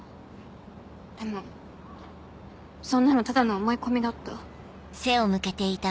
でもそんなのただの思い込みだった。